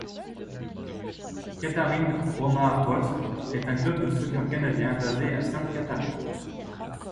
Catharines Roma Wolves est un club de soccer canadien basé à Saint Catharines.